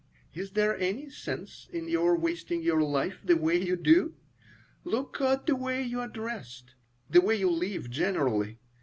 Is there any sense in your wasting your life the way you do? Look at the way you are dressed, the way you live generally.